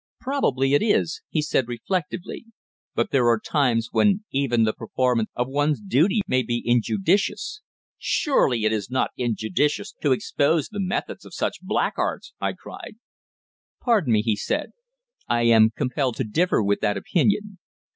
"Probably it is," he said reflectively. "But there are times when even the performance of one's duty may be injudicious." "Surely it is not injudicious to expose the methods of such blackguards!" I cried. "Pardon me," he said. "I am compelled to differ with that opinion.